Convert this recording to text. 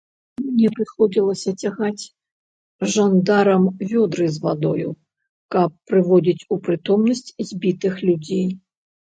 Мне прыходзілася цягаць жандарам вёдры з вадою, каб прыводзіць у прытомнасць збітых людзей.